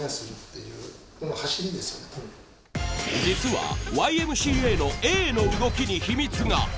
実は「Ｙ．Ｍ．Ｃ．Ａ．」の「Ａ」の動きに秘密が。